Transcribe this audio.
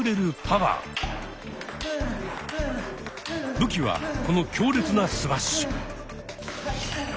武器はこの強烈なスマッシュ。